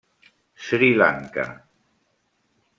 Sri Lanka.